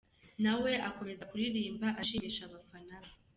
nawe akomeza kuririmba ashimisha abafana be.